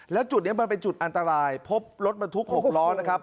แล้วจุดนี้มันเป็นจุดอันตรายพบรถบรรทุก๖ล้อนะครับ